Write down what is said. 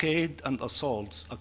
penyelamatan dan penyerangan ini berhasil